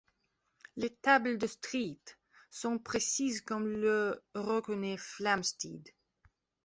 Les tables de Street sont précises comme le reconnaît Flamsteed.